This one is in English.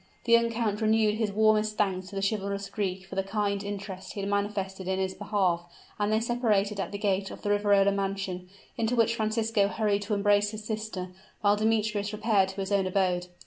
The young count renewed his warmest thanks to the chivalrous Greek for the kind interest he had manifested in his behalf; and they separated at the gate of the Riverola mansion, into which Francisco hurried to embrace his sister; while Demetrius repaired to his own abode.